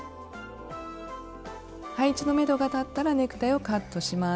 配置のめどが立ったらネクタイをカットします。